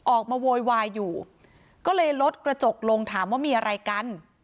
โวยวายอยู่ก็เลยลดกระจกลงถามว่ามีอะไรกัน